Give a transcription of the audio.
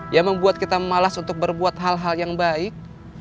yang membuat kita malas untuk berbuat hal hal yang baik